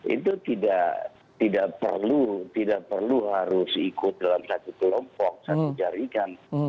itu tidak perlu harus ikut dalam satu kelompok satu jaringan